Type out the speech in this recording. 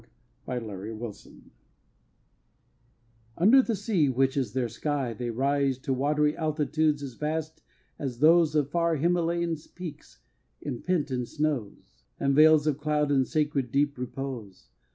SUBMARINE MOUNTAINS Under the sea, which is their sky, they rise To watery altitudes as vast as those Of far Himàlayan peaks impent in snows And veils of cloud and sacred deep repose.